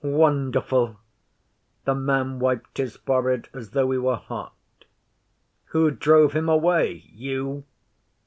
'Wonderful!' The man wiped his forehead as though he were hot. 'Who drove him away? You?